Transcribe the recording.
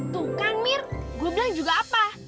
tuh kan mir gue bilang juga apa